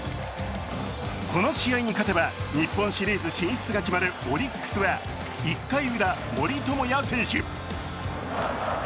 この試合に勝てば日本シリーズ進出が決まるオリックスは１回ウラ、森友哉選手。